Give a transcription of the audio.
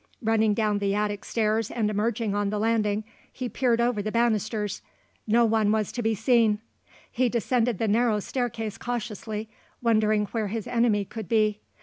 Running down the attic stairs and emerging on the landing, he peered over the bannisters; no one was to be seen. He descended the narrow staircase cautiously, wondering where his enemy could be.